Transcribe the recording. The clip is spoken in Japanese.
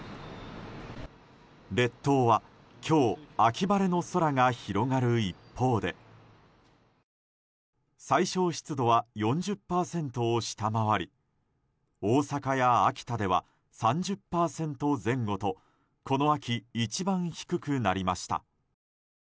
列島は今日秋晴れの空が広がる一方で最小湿度は４０％を下回り大阪や秋田では３０％前後とこの秋一番低くなりました。